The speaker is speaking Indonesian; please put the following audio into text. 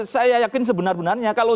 saya yakin sebenar benarnya kalau